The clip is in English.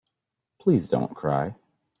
Please don't cry.